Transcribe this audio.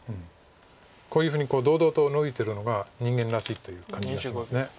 こういうふうに堂々とノビてるのが人間らしいという感じがします。